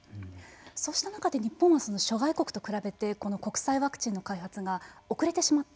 そうした中で日本は諸外国と比べてこの国産ワクチンの開発が遅れてしまった。